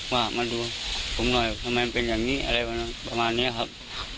ว่ามาดูผมหน่อยทำไมมันเป็นอย่างนี้อะไรประมาณนี้ครับ